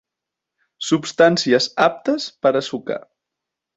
Substàncies aptes per a sucar.